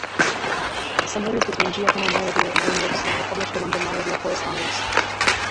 Some letters between Giacomo Meyerbeer and Aron Wolfssohn were published among the Meyerbeer correspondence.